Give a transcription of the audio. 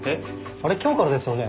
あれ今日からですよね？